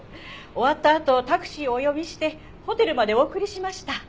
終わったあとタクシーをお呼びしてホテルまでお送りしました。